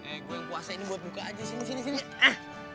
eh gue yang kuasa ini buat buka aja sini sini sini eh